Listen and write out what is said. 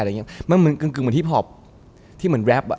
มันกลางเหมือนฮิปพอปที่เหมือนแรปอะ